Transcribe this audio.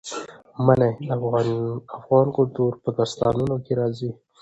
منی د افغان کلتور په داستانونو کې راځي.